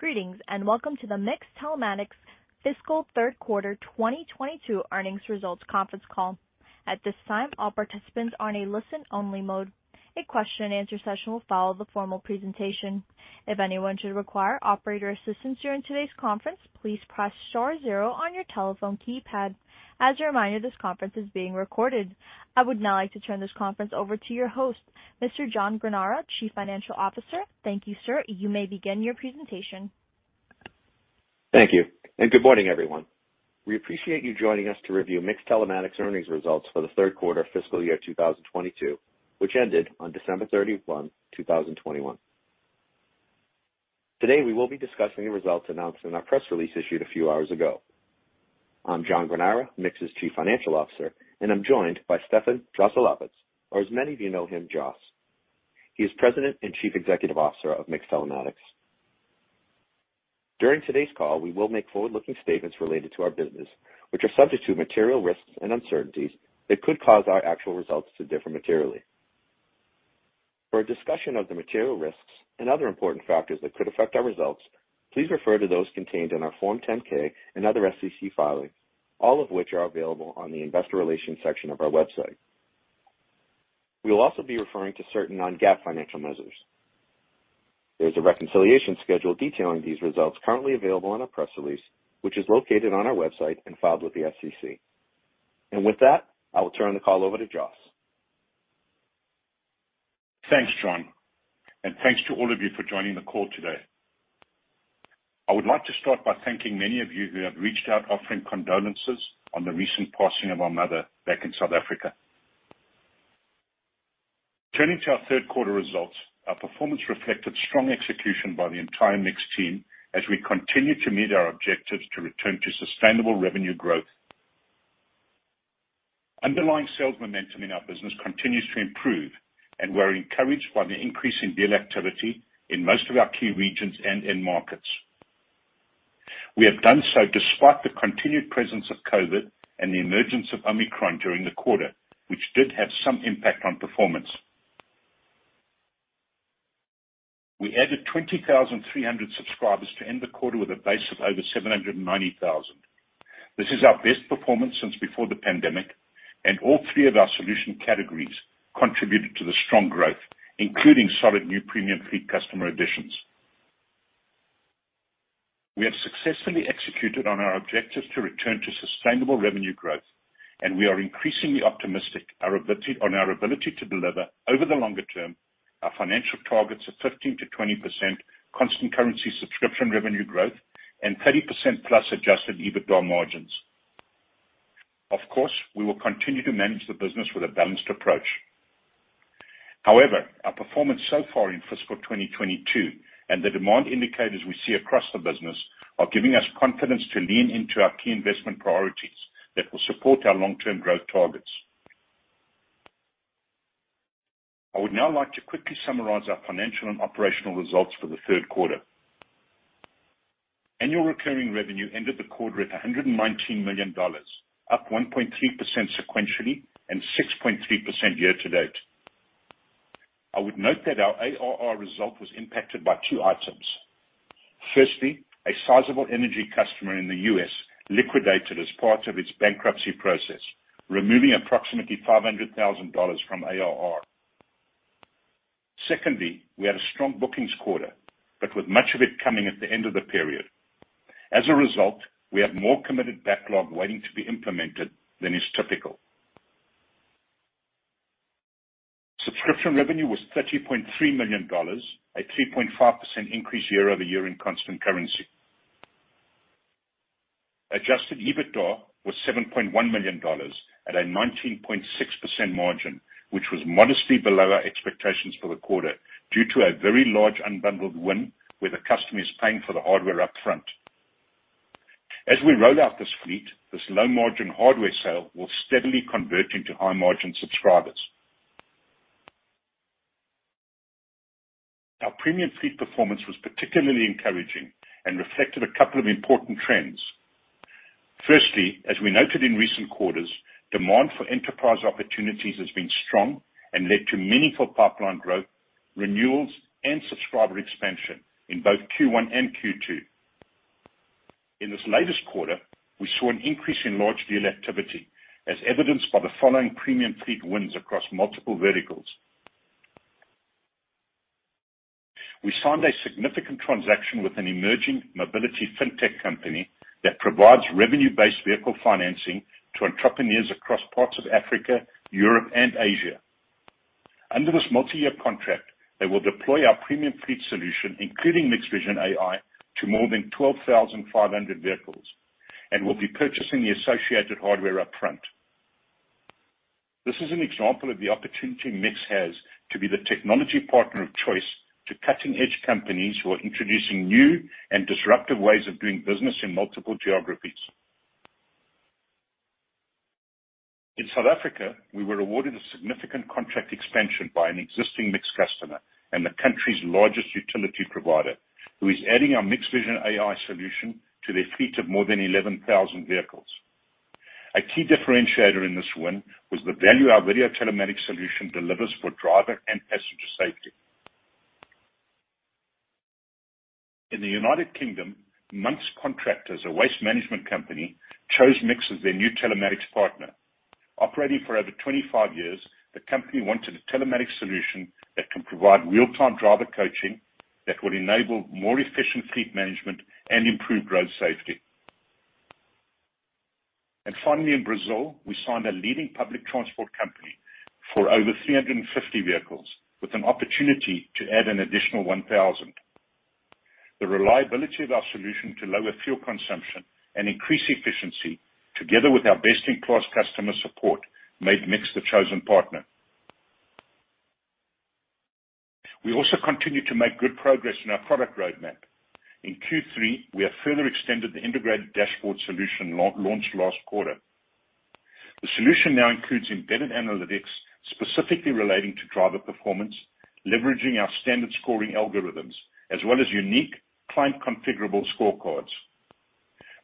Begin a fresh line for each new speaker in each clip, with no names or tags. Greetings, and welcome to the MiX Telematics fiscal third quarter 2022 earnings results conference call. At this time, all participants are in a listen-only mode. A question-and-answer session will follow the formal presentation. If anyone should require operator assistance during today's conference, please press star zero on your telephone keypad. As a reminder, this conference is being recorded. I would now like to turn this conference over to your host, Mr. John Granara, Chief Financial Officer. Thank you, sir. You may begin your presentation.
Thank you, and good morning, everyone. We appreciate you joining us to review MiX Telematics earnings results for the third quarter fiscal year 2022, which ended on December 31, 2021. Today, we will be discussing the results announced in our press release issued a few hours ago. I'm John Granara, MiX's Chief Financial Officer, and I'm joined by Stefan Joselowitz, or as many of you know him, Jos. He is President and Chief Executive Officer of MiX Telematics. During today's call, we will make forward-looking statements related to our business, which are subject to material risks and uncertainties that could cause our actual results to differ materially. For a discussion of the material risks and other important factors that could affect our results, please refer to those contained in our Form 10-K and other SEC filings, all of which are available on the investor relations section of our website. We will also be referring to certain non-GAAP financial measures. There's a reconciliation schedule detailing these results currently available on our press release, which is located on our website and filed with the SEC. With that, I will turn the call over to Jos.
Thanks, John. Thanks to all of you for joining the call today. I would like to start by thanking many of you who have reached out offering condolences on the recent passing of our mother back in South Africa. Turning to our third quarter results, our performance reflected strong execution by the entire MiX team as we continue to meet our objectives to return to sustainable revenue growth. Underlying sales momentum in our business continues to improve, and we're encouraged by the increase in deal activity in most of our key regions and end markets. We have done so despite the continued presence of COVID and the emergence of Omicron during the quarter, which did have some impact on performance. We added 20,300 subscribers to end the quarter with a base of over 790,000. This is our best performance since before the pandemic, and all three of our solution categories contributed to the strong growth, including solid new premium fleet customer additions. We have successfully executed on our objective to return to sustainable revenue growth, and we are increasingly optimistic on our ability to deliver over the longer term our financial targets of 15%-20% constant currency subscription revenue growth and 30%+ adjusted EBITDA margins. Of course, we will continue to manage the business with a balanced approach. However, our performance so far in fiscal 2022 and the demand indicators we see across the business are giving us confidence to lean into our key investment priorities that will support our long-term growth targets. I would now like to quickly summarize our financial and operational results for the third quarter. Annual recurring revenue ended the quarter at $119 million, up 1.3% sequentially and 6.3% year-to-date. I would note that our ARR result was impacted by two items. Firstly, a sizable energy customer in the U.S. liquidated as part of its bankruptcy process, removing approximately $500,000 from ARR. Secondly, we had a strong bookings quarter, but with much of it coming at the end of the period. As a result, we have more committed backlog waiting to be implemented than is typical. Subscription revenue was $30.3 million, a 3.5% increase year-over-year in constant currency. Adjusted EBITDA was $7.1 million at a 19.6% margin, which was modestly below our expectations for the quarter due to a very large unbundled win where the customer is paying for the hardware up front. As we roll out this fleet, this low-margin hardware sale will steadily convert into high-margin subscribers. Our premium fleet performance was particularly encouraging and reflected a couple of important trends. Firstly, as we noted in recent quarters, demand for enterprise opportunities has been strong and led to meaningful pipeline growth, renewals, and subscriber expansion in both Q1 and Q2. In this latest quarter, we saw an increase in large deal activity as evidenced by the following premium fleet wins across multiple verticals. We signed a significant transaction with an emerging mobility fintech company that provides revenue-based vehicle financing to entrepreneurs across parts of Africa, Europe, and Asia. Under this multi-year contract, they will deploy our premium fleet solution, including MiX Vision AI, to more than 12,500 vehicles and will be purchasing the associated hardware upfront. This is an example of the opportunity MiX has to be the technology partner of choice to cutting edge companies who are introducing new and disruptive ways of doing business in multiple geographies. In South Africa, we were awarded a significant contract expansion by an existing MiX customer and the country's largest utility provider, who is adding our MiX Vision AI solution to their fleet of more than 11,000 vehicles. A key differentiator in this win was the value our video telematics solution delivers for driver and passenger safety. In the United Kingdom, Monks Contractors, a waste management company, chose MiX as their new telematics partner. Operating for over 25 years, the company wanted a telematics solution that can provide real-time driver coaching that would enable more efficient fleet management and improve road safety. Finally, in Brazil, we signed a leading public transport company for over 350 vehicles with an opportunity to add an additional 1,000. The reliability of our solution to lower fuel consumption and increase efficiency together with our best-in-class customer support made MiX the chosen partner. We also continue to make good progress in our product roadmap. In Q3, we have further extended the integrated dashboard solution launched last quarter. The solution now includes embedded analytics, specifically relating to driver performance, leveraging our standard scoring algorithms, as well as unique client configurable scorecards.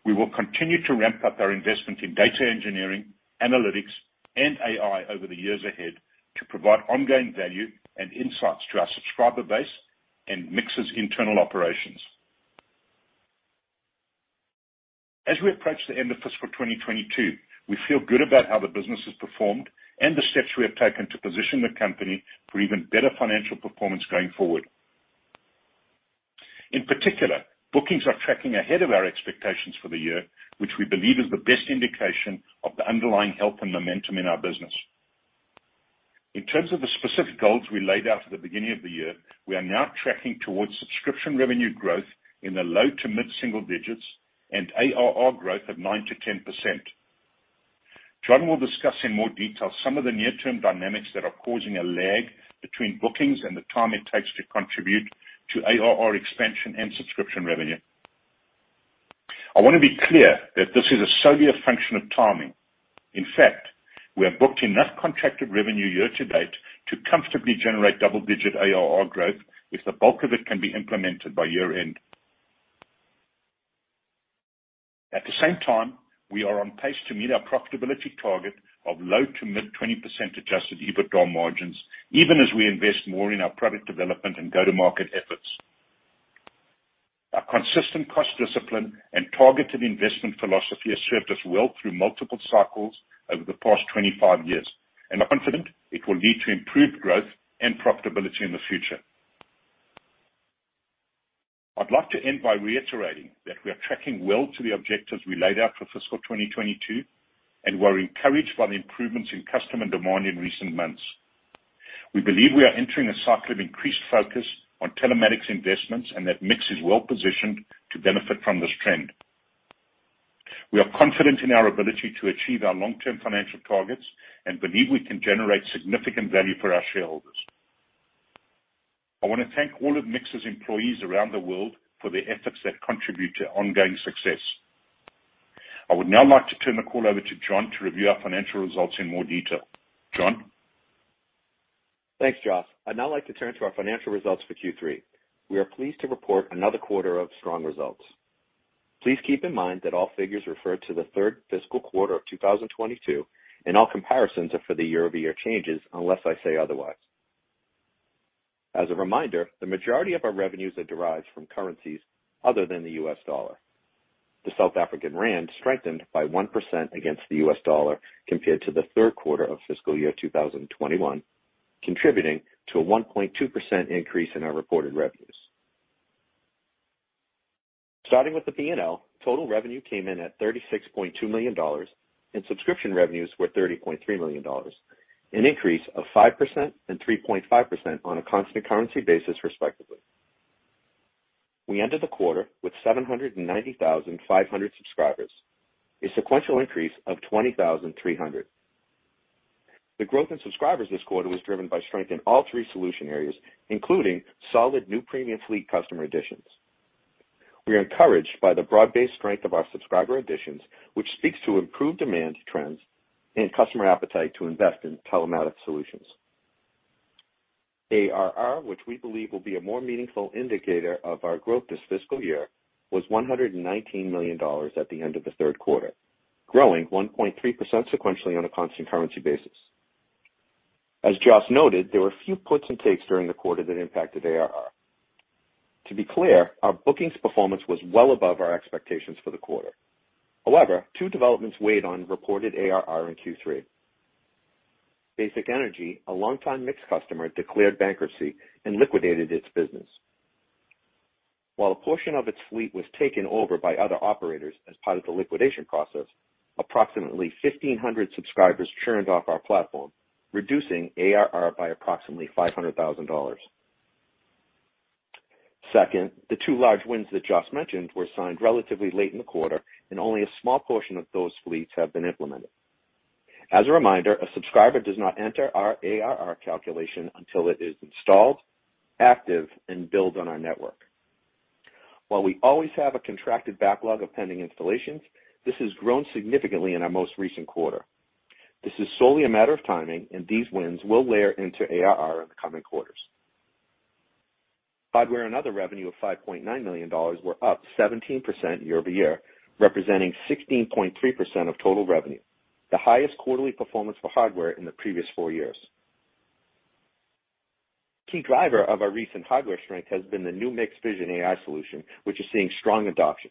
We will continue to ramp up our investment in data engineering, analytics, and AI over the years ahead to provide ongoing value and insights to our subscriber base and MiX's internal operations. As we approach the end of fiscal 2022, we feel good about how the business has performed and the steps we have taken to position the company for even better financial performance going forward. In particular, bookings are tracking ahead of our expectations for the year, which we believe is the best indication of the underlying health and momentum in our business. In terms of the specific goals we laid out at the beginning of the year, we are now tracking towards subscription revenue growth in the low- to mid-single digits and ARR growth of 9%-10%. John will discuss in more detail some of the near-term dynamics that are causing a lag between bookings and the time it takes to contribute to ARR expansion and subscription revenue. I wanna be clear that this is solely a function of timing. In fact, we have booked enough contracted revenue year to date to comfortably generate double-digit ARR growth, if the bulk of it can be implemented by year-end. At the same time, we are on pace to meet our profitability target of low- to mid-20% adjusted EBITDA margins, even as we invest more in our product development and go-to-market efforts. Our consistent cost discipline and targeted investment philosophy has served us well through multiple cycles over the past 25 years, and we are confident it will lead to improved growth and profitability in the future. I'd like to end by reiterating that we are tracking well to the objectives we laid out for fiscal 2022, and we're encouraged by the improvements in customer demand in recent months. We believe we are entering a cycle of increased focus on telematics investments, and that MiX is well-positioned to benefit from this trend. We are confident in our ability to achieve our long-term financial targets and believe we can generate significant value for our shareholders. I wanna thank all of MiX's employees around the world for their efforts that contribute to ongoing success. I would now like to turn the call over to John to review our financial results in more detail. John?
Thanks, Jos. I'd now like to turn to our financial results for Q3. We are pleased to report another quarter of strong results. Please keep in mind that all figures refer to the third fiscal quarter of 2022, and all comparisons are for the year-over-year changes, unless I say otherwise. As a reminder, the majority of our revenues are derived from currencies other than the U.S. dollar. The South African rand strengthened by 1% against the U.S. dollar compared to the third quarter of fiscal year 2021, contributing to a 1.2% increase in our reported revenues. Starting with the P&L, total revenue came in at $36.2 million, and subscription revenues were $30.3 million, an increase of 5% and 3.5% on a constant currency basis respectively. We ended the quarter with 790,500 subscribers, a sequential increase of 20,300. The growth in subscribers this quarter was driven by strength in all three solution areas, including solid new premium fleet customer additions. We are encouraged by the broad-based strength of our subscriber additions, which speaks to improved demand trends and customer appetite to invest in telematics solutions. ARR, which we believe will be a more meaningful indicator of our growth this fiscal year, was $119 million at the end of the third quarter, growing 1.3% sequentially on a constant currency basis. As Jos noted, there were a few puts and takes during the quarter that impacted ARR. To be clear, our bookings performance was well above our expectations for the quarter. However, two developments weighed on reported ARR in Q3. Basic Energy, a longtime MiX customer, declared bankruptcy and liquidated its business. While a portion of its fleet was taken over by other operators as part of the liquidation process, approximately 1,500 subscribers churned off our platform, reducing ARR by approximately $500,000. Second, the two large wins that Jos mentioned were signed relatively late in the quarter, and only a small portion of those fleets have been implemented. As a reminder, a subscriber does not enter our ARR calculation until it is installed, active, and builds on our network. While we always have a contracted backlog of pending installations, this has grown significantly in our most recent quarter. This is solely a matter of timing, and these wins will layer into ARR in the coming quarters. Hardware and other revenue of $5.9 million were up 17% year-over-year, representing 16.3% of total revenue, the highest quarterly performance for hardware in the previous four years. Key driver of our recent hardware strength has been the new MiX Vision AI solution, which is seeing strong adoption.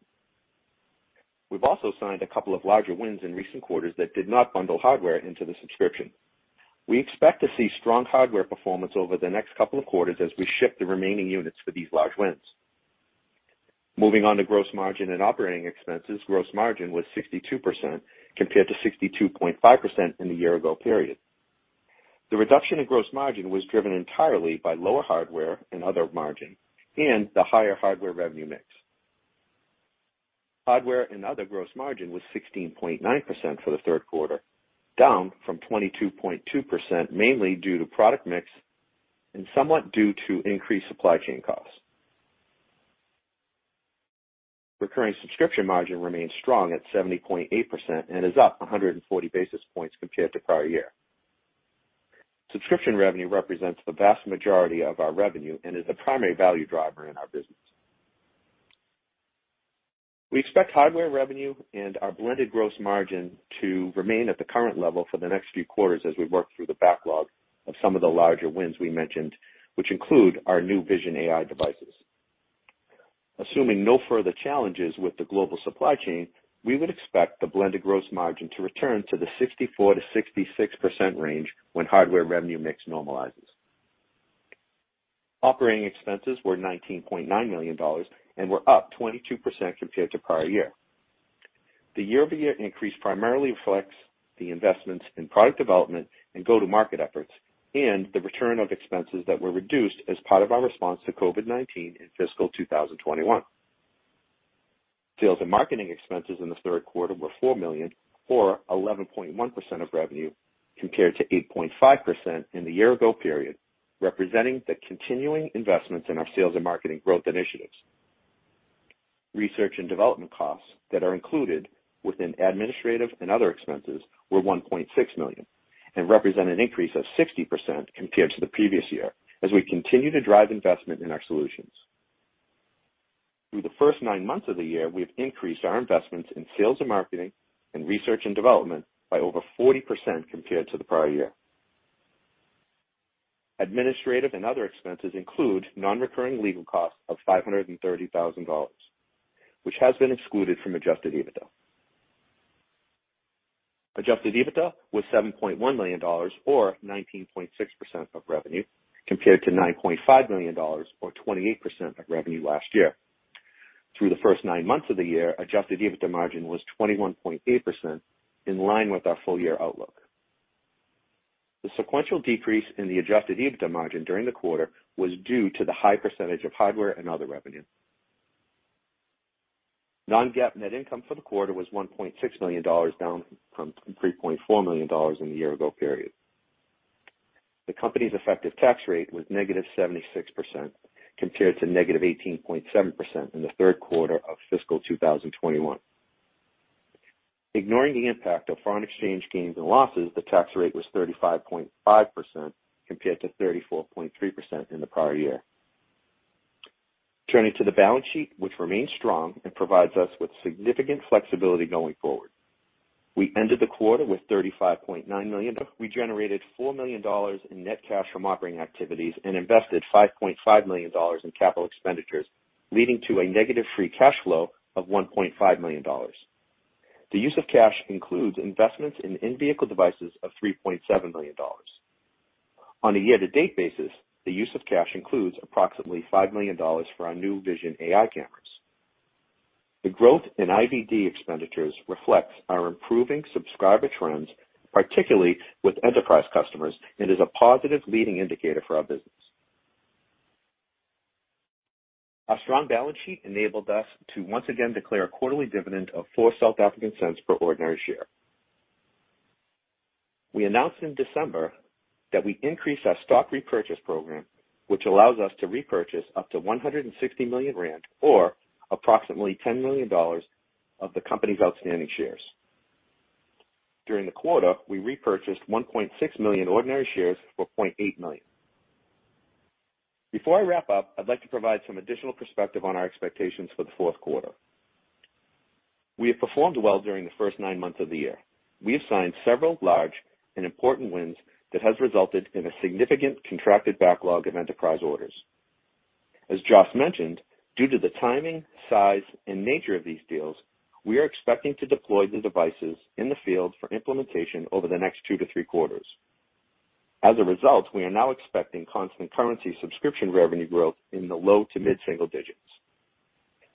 We've also signed a couple of larger wins in recent quarters that did not bundle hardware into the subscription. We expect to see strong hardware performance over the next couple of quarters as we ship the remaining units for these large wins. Moving on to gross margin and operating expenses. Gross margin was 62% compared to 62.5% in the year-ago period. The reduction in gross margin was driven entirely by lower hardware and other margin and the higher hardware revenue mix. Hardware and other gross margin was 16.9% for the third quarter, down from 22.2%, mainly due to product mix and somewhat due to increased supply chain costs. Recurring subscription margin remains strong at 70.8% and is up 140 basis points compared to prior year. Subscription revenue represents the vast majority of our revenue and is the primary value driver in our business. We expect hardware revenue and our blended gross margin to remain at the current level for the next few quarters as we work through the backlog of some of the larger wins we mentioned, which include our new MiX Vision AI devices. Assuming no further challenges with the global supply chain, we would expect the blended gross margin to return to the 64%-66% range when hardware revenue mix normalizes. Operating expenses were $19.9 million and were up 22% compared to prior year. The year-over-year increase primarily reflects the investments in product development and go-to-market efforts and the return of expenses that were reduced as part of our response to COVID-19 in fiscal 2021. Sales and marketing expenses in the third quarter were $4 million or 11.1% of revenue, compared to 8.5% in the year ago period, representing the continuing investments in our sales and marketing growth initiatives. Research and development costs that are included within administrative and other expenses were $1.6 million and represent an increase of 60% compared to the previous year as we continue to drive investment in our solutions. Through the first nine months of the year, we have increased our investments in sales and marketing and research and development by over 40% compared to the prior year. Administrative and other expenses include non-recurring legal costs of $530,000, which has been excluded from adjusted EBITDA. Adjusted EBITDA was $7.1 million or 19.6% of revenue, compared to $9.5 million or 28% of revenue last year. Through the first nine months of the year, adjusted EBITDA margin was 21.8% in line with our full year outlook. The sequential decrease in the adjusted EBITDA margin during the quarter was due to the high percentage of hardware and other revenue. Non-GAAP net income for the quarter was $1.6 million, down from $3.4 million in the year ago period. The company's effective tax rate was -76% compared to -18.7% in the third quarter of fiscal 2021. Ignoring the impact of foreign exchange gains and losses, the tax rate was 35.5% compared to 34.3% in the prior year. Turning to the balance sheet, which remains strong and provides us with significant flexibility going forward. We ended the quarter with $35.9 million. We generated $4 million in net cash from operating activities and invested $5.5 million in capital expenditures, leading to a negative free cash flow of $1.5 million. The use of cash includes investments in in-vehicle devices of $3.7 million. On a year-to-date basis, the use of cash includes approximately $5 million for our new MiX Vision AI cameras. The growth in IVD expenditures reflects our improving subscriber trends, particularly with enterprise customers, and is a positive leading indicator for our business. Our strong balance sheet enabled us to once again declare a quarterly dividend of 0.04 Per ordinary share. We announced in December that we increased our stock repurchase program, which allows us to repurchase up to 160 million rand or approximately $10 million of the company's outstanding shares. During the quarter, we repurchased 1.6 million ordinary shares for 0.8 million. Before I wrap up, I'd like to provide some additional perspective on our expectations for the fourth quarter. We have performed well during the first nine months of the year. We have signed several large and important wins that has resulted in a significant contracted backlog of enterprise orders. As Jos mentioned, due to the timing, size, and nature of these deals, we are expecting to deploy the devices in the field for implementation over the next two quarters-three quarters. As a result, we are now expecting constant currency subscription revenue growth in the low- to mid-single digits.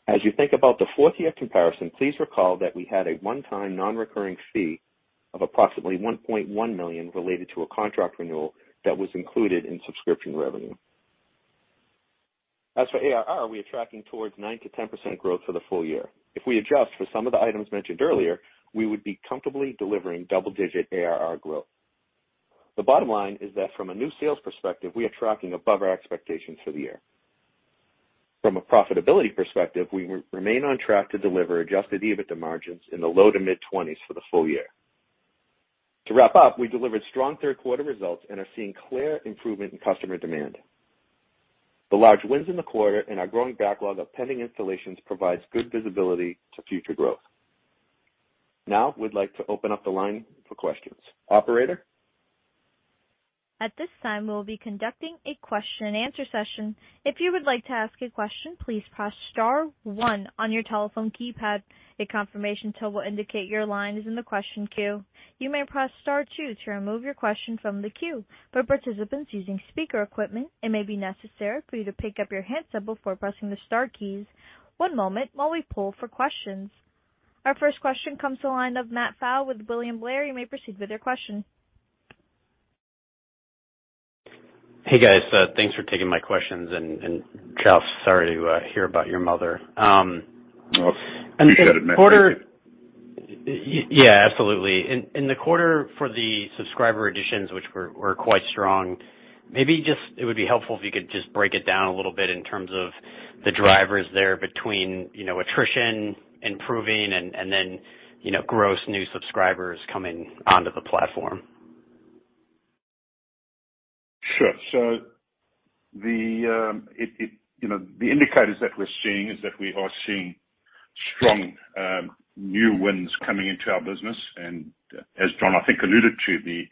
As you think about the fourth year comparison, please recall that we had a one-time non-recurring fee of approximately 1.1 million related to a contract renewal that was included in subscription revenue. As for ARR, we are tracking towards 9%-10% growth for the full year. If we adjust for some of the items mentioned earlier, we would be comfortably delivering double-digit ARR growth. The bottom line is that from a new sales perspective, we are tracking above our expectations for the year. From a profitability perspective, we remain on track to deliver adjusted EBITDA margins in the low- to mid-20s for the full year. To wrap up, we delivered strong third quarter results and are seeing clear improvement in customer demand. The large wins in the quarter and our growing backlog of pending installations provides good visibility to future growth. Now, we'd like to open up the line for questions. Operator?
At this time, we will be conducting a question-and-answer session. If you would like to ask a question, please press star one on your telephone keypad. A confirmation tone will indicate your line is in the question queue. You may press star two to remove your question from the queue. For participants using speaker equipment, it may be necessary for you to pick up your handset before pressing the star keys. One moment while we poll for questions. Our first question comes to the line of Matt Pfau with William Blair. You may proceed with your question.
Hey guys, thanks for taking my questions. Jos, sorry to hear about your mother.
Oh, I appreciate it, Matt.
Yeah, absolutely. In the quarter for the subscriber additions, which were quite strong, maybe just it would be helpful if you could just break it down a little bit in terms of the drivers there between, you know, attrition improving and then, you know, gross new subscribers coming onto the platform.
Sure. You know, the indicators that we're seeing is that we are seeing strong new wins coming into our business. As John, I think, alluded to, the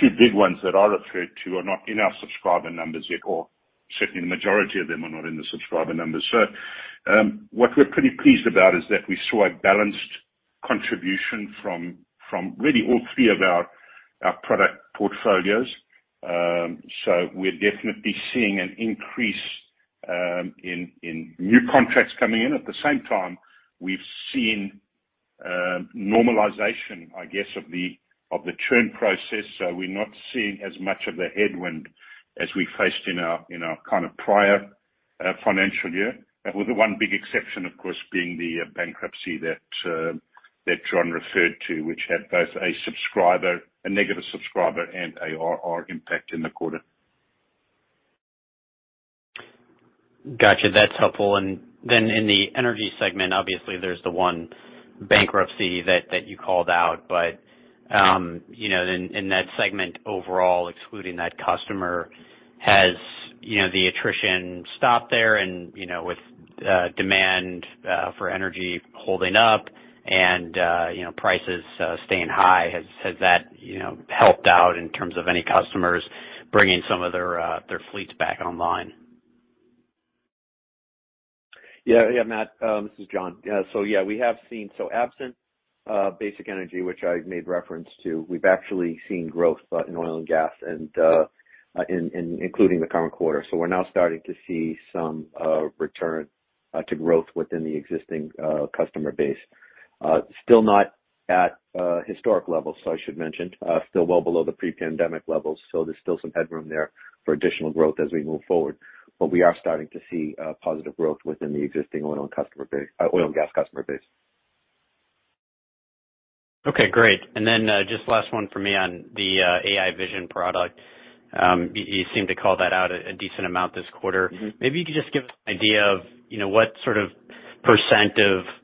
two big ones that I referred to are not in our subscriber numbers yet, or certainly the majority of them are not in the subscriber numbers. What we're pretty pleased about is that we saw a balanced contribution from really all three of our product portfolios. We're definitely seeing an increase in new contracts coming in. At the same time, we've seen normalization, I guess, of the churn process. We're not seeing as much of a headwind as we faced in our kind of prior financial year with the one big exception, of course, being the bankruptcy that John referred to, which had both a negative subscriber and ARR impact in the quarter.
Gotcha. That's helpful. In the energy segment, obviously there's the one bankruptcy that you called out. You know, in that segment overall, excluding that customer, has you know, the attrition stopped there? You know, with demand for energy holding up and you know, prices staying high, has that you know, helped out in terms of any customers bringing some of their fleets back online?
Yeah, Matt, this is John. We have seen, absent Basic Energy, which I made reference to, we've actually seen growth in oil and gas, including the current quarter. We're now starting to see some return to growth within the existing customer base. Still not at historic levels, so I should mention, still well below the pre-pandemic levels, so there's still some headroom there for additional growth as we move forward. We are starting to see positive growth within the existing oil and gas customer base.
Okay, great. Just last one for me on the MiX Vision AI. You seemed to call that out a decent amount this quarter.
Mm-hmm.
Maybe you could just give us an idea of, you know, what sort of percent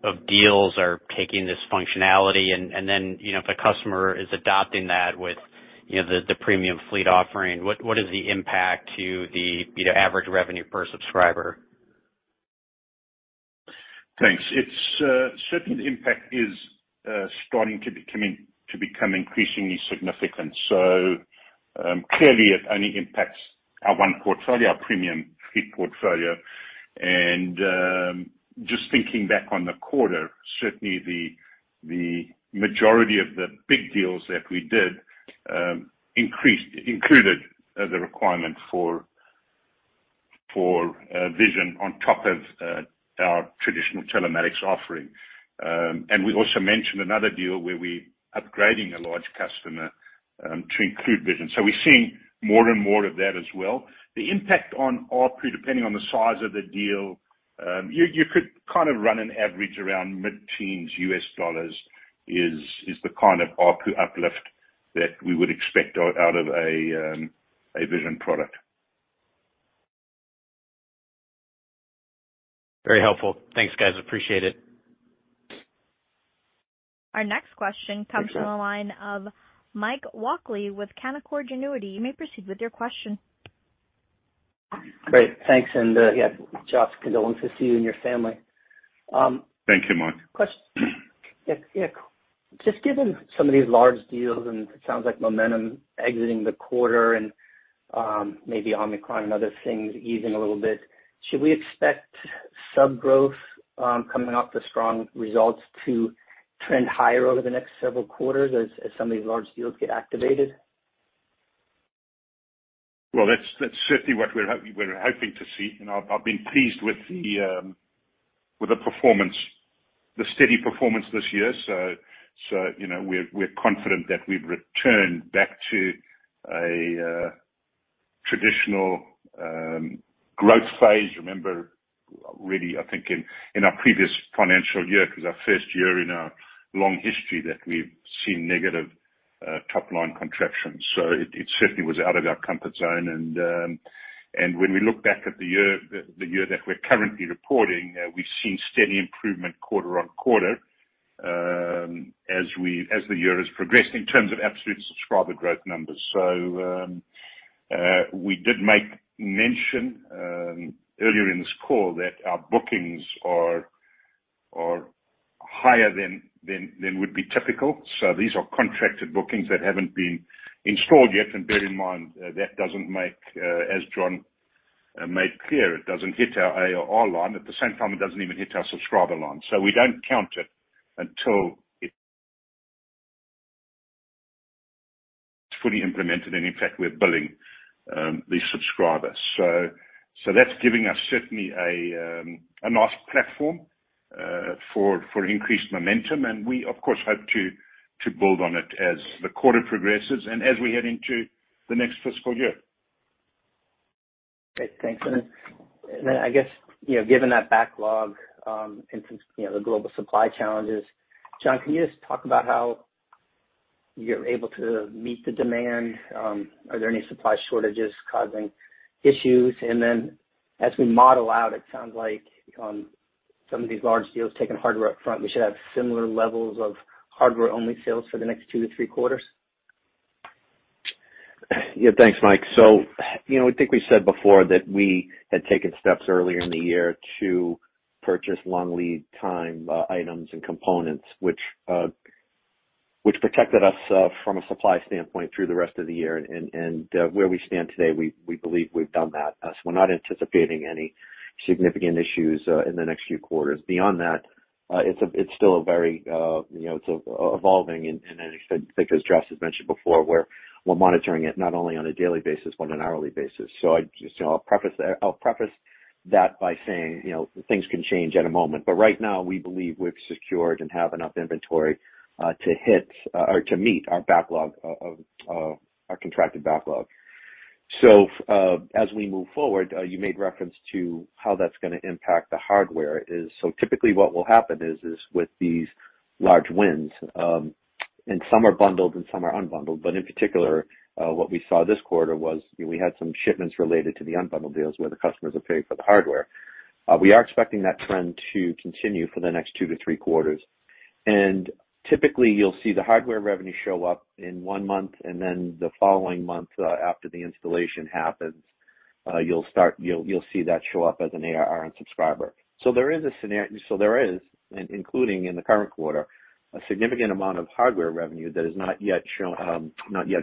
of deals are taking this functionality. You know, if a customer is adopting that with, you know, the premium fleet offering, what is the impact to the, you know, average revenue per subscriber?
Thanks. It's certainly the impact is starting to become increasingly significant. Clearly it only impacts our one portfolio, our premium fleet portfolio. Just thinking back on the quarter, certainly the majority of the big deals that we did included the requirement for vision on top of our traditional telematics offering. We also mentioned another deal where we're upgrading a large customer to include vision. We're seeing more and more of that as well. The impact on ARPU, depending on the size of the deal, you could kind of run an average around mid-teens dollars is the kind of ARPU uplift that we would expect out of a vision product.
Very helpful. Thanks, guys. Appreciate it.
Our next question comes from the line of Mike Walkley with Canaccord Genuity. You may proceed with your question.
Great. Thanks. Yeah, Jos, condolences to you and your family.
Thank you, Mike.
Yeah. Just given some of these large deals, and it sounds like momentum exiting the quarter and maybe Omicron and other things easing a little bit, should we expect sub growth coming off the strong results to trend higher over the next several quarters as some of these large deals get activated?
Well, that's certainly what we're hoping to see. You know, I've been pleased with the performance, the steady performance this year. You know, we're confident that we've returned back to a traditional growth phase. Remember really, I think, in our previous financial year, it was our first year in our long history that we've seen negative top line contraction. It certainly was out of our comfort zone. When we look back at the year, the year that we're currently reporting, we've seen steady improvement quarter-on-quarter as the year has progressed in terms of absolute subscriber growth numbers. We did make mention earlier in this call that our bookings are higher than would be typical. These are contracted bookings that haven't been installed yet. Bear in mind that doesn't, as John made clear, hit our ARR line. At the same time, it doesn't even hit our subscriber line. We don't count it until it's fully implemented, and in fact, we're billing these subscribers. That's giving us certainly a nice platform for increased momentum. We, of course, hope to build on it as the quarter progresses and as we head into the next fiscal year.
Okay, thanks. I guess, you know, given that backlog, and some, you know, the global supply challenges, John, can you just talk about how you're able to meet the demand? Are there any supply shortages causing issues? As we model out, it sounds like, some of these large deals taking hardware up front, we should have similar levels of hardware-only sales for the next two quarters-three quarters.
Yeah, thanks, Mike. You know, I think we said before that we had taken steps earlier in the year to purchase long lead time items and components which protected us from a supply standpoint through the rest of the year. Where we stand today, we believe we've done that. We're not anticipating any significant issues in the next few quarters. Beyond that, it's still a very, you know, it's evolving and I think as Jos has mentioned before, we're monitoring it not only on a daily basis, but on an hourly basis. I just, you know, I'll preface that by saying, you know, things can change at a moment. Right now we believe we've secured and have enough inventory to hit or to meet our backlog of our contracted backlog. As we move forward, you made reference to how that's gonna impact the hardware. Typically what will happen is with these large wins, and some are bundled and some are unbundled, but in particular, what we saw this quarter was we had some shipments related to the unbundled deals where the customers are paying for the hardware. We are expecting that trend to continue for the next two quarters-three quarters. Typically you'll see the hardware revenue show up in one month, and then the following month, after the installation happens, you'll see that show up as an ARR and subscriber. There is, including in the current quarter, a significant amount of hardware revenue that has not yet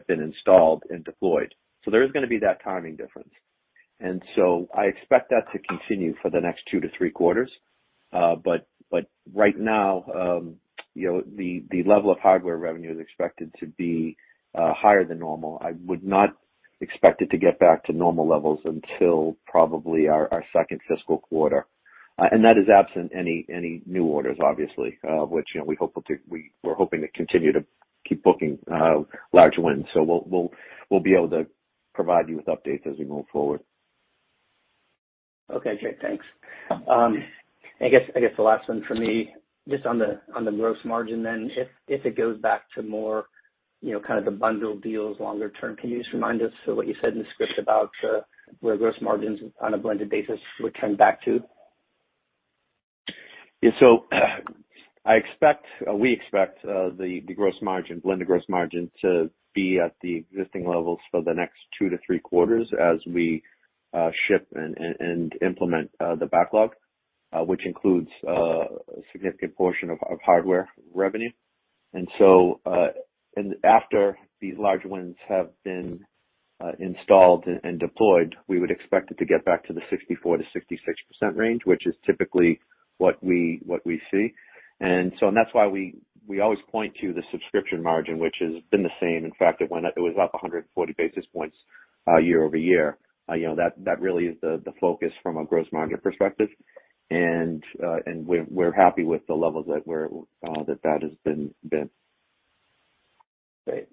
been installed and deployed. There is going to be that timing difference. I expect that to continue for the next two quarters-three quarters. Right now, you know, the level of hardware revenue is expected to be higher than normal. I would not expect it to get back to normal levels until probably our second fiscal quarter. That is absent any new orders, obviously, which, you know, we hope we're hoping to continue to keep booking large wins. We'll be able to provide you with updates as we move forward.
Okay, great. Thanks. I guess the last one for me, just on the gross margin then. If it goes back to more, you know, kind of the bundled deals longer term, can you just remind us what you said in the script about where gross margins on a blended basis would trend back to?
Yeah. I expect, we expect, the gross margin, blended gross margin to be at the existing levels for the next two quarters-three quarters as we ship and implement the backlog, which includes a significant portion of hardware revenue. After these large wins have been installed and deployed, we would expect it to get back to the 64%-66% range, which is typically what we see. That's why we always point to the subscription margin, which has been the same. In fact, it went up, it was up 140 basis points year-over-year. You know, that really is the focus from a gross margin perspective. We're happy with the levels that has been.
Great.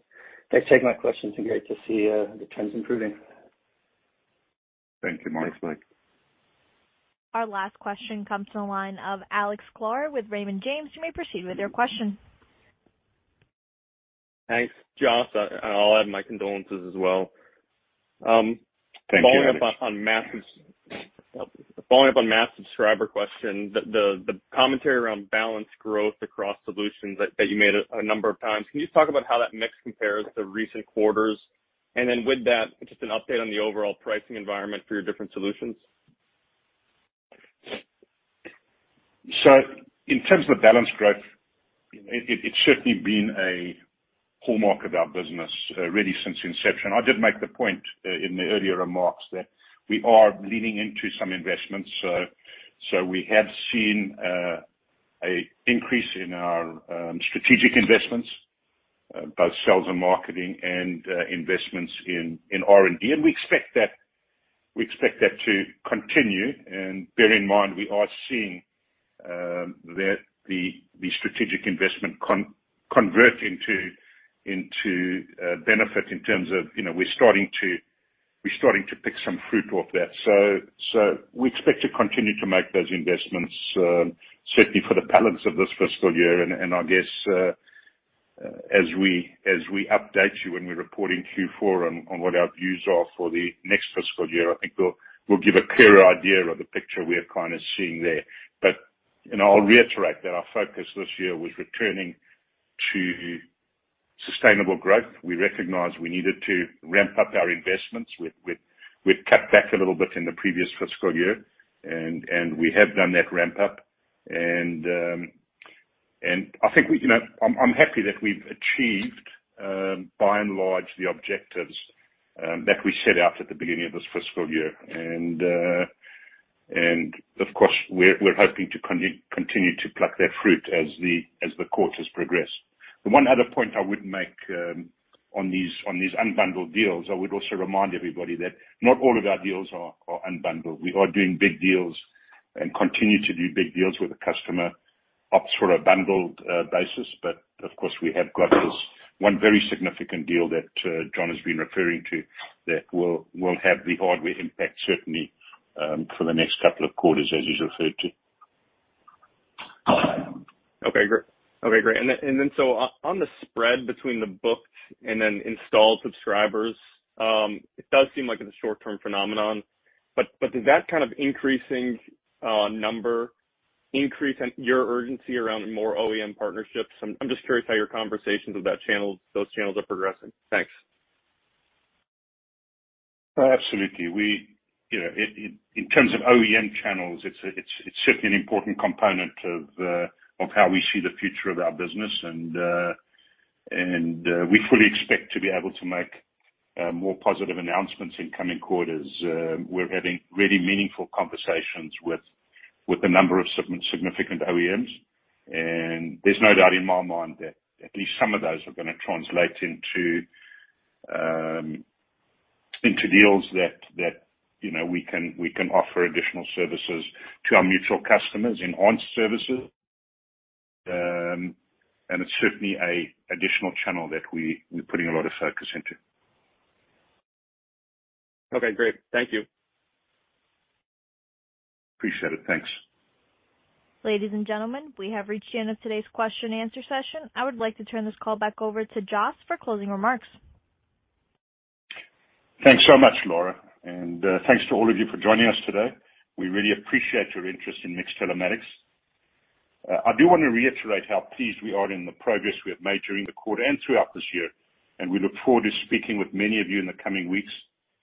Thanks, for taking my questions are great to see, the trends improving.
Thank you, Mike.
Thanks, Mike.
Our last question comes from the line of Alex Sklar with Raymond James. You may proceed with your question.
Thanks. Jos, I'll add my condolences as well.
Thank you, Alex.
Following up on Matt's subscriber question, the commentary around balanced growth across solutions that you made a number of times. Can you just talk about how that mix compares to recent quarters? With that, just an update on the overall pricing environment for your different solutions.
In terms of balanced growth, it's certainly been a hallmark of our business, really since inception. I did make the point in the earlier remarks that we are leaning into some investments. We have seen a increase in our strategic investments, both sales and marketing and investments in R&D. We expect that to continue. Bear in mind, we are seeing that the strategic investment convert into benefit in terms of, you know, we're starting to pick some fruit off that. We expect to continue to make those investments, certainly for the balance of this fiscal year and I guess, as we update you when we report in Q4 on what our views are for the next fiscal year, I think we'll give a clearer idea of the picture we are kinda seeing there. I'll reiterate that our focus this year was returning to sustainable growth. We recognized we needed to ramp up our investments. We'd cut back a little bit in the previous fiscal year, and we have done that ramp up. I think, you know, I'm happy that we've achieved, by and large, the objectives that we set out at the beginning of this fiscal year. Of course, we're hoping to continue to pluck that fruit as the quarters progress. The one other point I would make on these unbundled deals, I would also remind everybody that not all of our deals are unbundled. We are doing big deals and continue to do big deals with the customer opts for a bundled basis. Of course, we have got this one very significant deal that John has been referring to that will have the hardware impact certainly for the next couple of quarters, as you referred to.
Okay, great. On the spread between the booked and then installed subscribers, it does seem like it's a short-term phenomenon, but does that kind of increasing number increase your urgency around more OEM partnerships? I'm just curious how your conversations with that channel, those channels are progressing. Thanks.
Absolutely. In terms of OEM channels, it's certainly an important component of how we see the future of our business and we fully expect to be able to make more positive announcements in coming quarters. We're having really meaningful conversations with a number of significant OEMs. There's no doubt in my mind that at least some of those are gonna translate into deals that we can offer additional services to our mutual customers in our services. It's certainly an additional channel that we're putting a lot of focus into.
Okay, great. Thank you.
Appreciate it. Thanks.
Ladies and gentlemen, we have reached the end of today's question-and-answer session. I would like to turn this call back over to Jos for closing remarks.
Thanks so much, Laura, and thanks to all of you for joining us today. We really appreciate your interest in MiX Telematics. I do wanna reiterate how pleased we are in the progress we have made during the quarter and throughout this year, and we look forward to speaking with many of you in the coming weeks.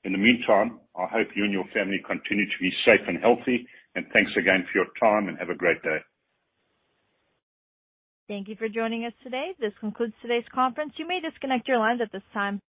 In the meantime, I hope you and your family continue to be safe and healthy, and thanks again for your time, and have a great day.
Thank you for joining us today. This concludes today's conference. You may disconnect your lines at this time.